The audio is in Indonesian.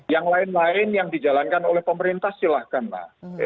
yang lain lain yang dijalankan oleh pemerintah silahkan lah